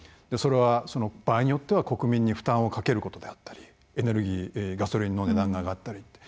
それは、場合によっては国民に負担をかけることだったりガソリンの値段が上がったり。